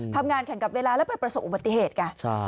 ทำงานแข่งกับเวลาแล้วไปประสบอุบัติเหตุไง